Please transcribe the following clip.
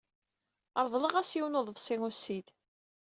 Reḍleɣ-as yiwen n uḍebsi ussid.